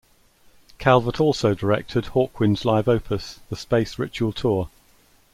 Calvert also directed Hawkwind's live opus, the Space Ritual Tour.